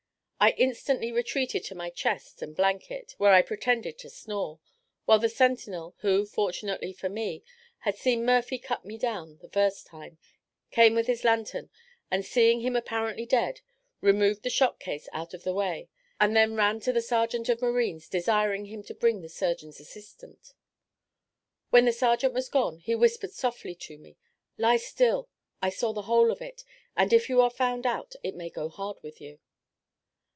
I instantly retreated to my chest and blanket, where I pretended to snore, while the sentinel, who, fortunately for me, had seen Murphy cut me down the first time, came with his lanthorn, and seeing him apparently dead, removed the shot case out of the way, and then ran to the sergeant of marines, desiring him to bring the surgeon's assistant. While the sergeant was gone, he whispered softly to me, "Lie still; I saw the whole of it, and if you are found out, it may go hard with you."